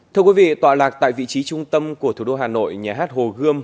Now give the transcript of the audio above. thưa quý vị tọa lạc tại vị trí trung tâm của thủ đô hà nội nhà hát hồ gươm